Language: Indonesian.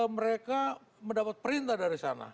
mereka mendapat perintah dari sana